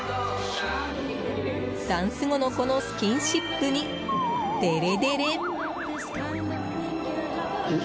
ダンス後のこのスキンシップにデレデレ。